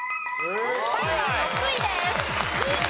サルは６位です。